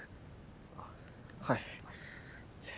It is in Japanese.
はい。